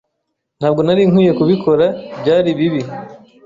Ntabwo nari nkwiye kubikora. Byari bibi.